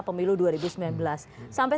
pemilu dua ribu sembilan belas sampai